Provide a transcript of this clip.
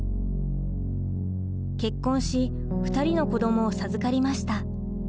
結婚し２人の子どもを授かりました。